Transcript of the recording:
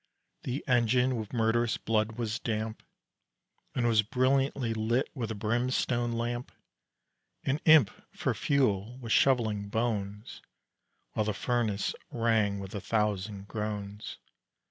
The engine with murderous blood was damp And was brilliantly lit with a brimstone lamp; An imp, for fuel, was shoveling bones, While the furnace rang with a thousand groans.